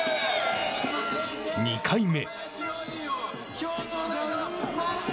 ２回目。